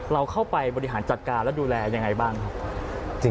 เราเข้าไปบริหารจัดการและดูแลยังไงบ้างครับ